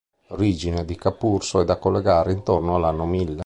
L'origine di Capurso è da collocare intorno all'anno Mille.